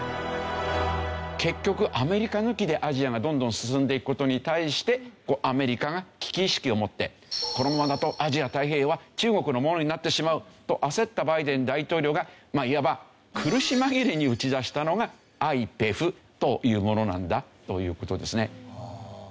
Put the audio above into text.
結局アメリカ抜きでアジアがどんどん進んでいく事に対してアメリカが危機意識を持ってこのままだとアジア太平洋は中国のものになってしまうと焦ったバイデン大統領がいわば苦し紛れに打ち出したのがＩＰＥＦというものなんだという事ですね。